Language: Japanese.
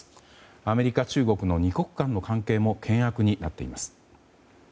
アメリカ、中国の２国間の関係も険悪になっています。